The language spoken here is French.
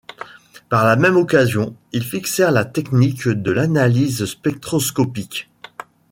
Par la même occasion, ils fixèrent la technique de l’analyse spectroscopique.